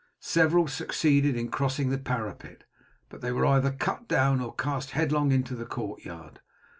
Several succeeded in crossing the parapet, but they were either cut down or cast headlong into the courtyard.